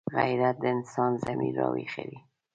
غیرت د انسان ضمیر راویښوي